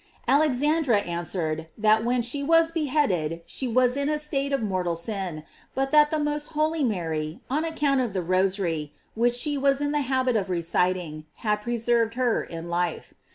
Alexandra answered, that when she was beheaded, she was in a state of mortal sin, but that the most holy Mary, on account of the rosary, which she was in the habit of recit ing, had preserved her in life.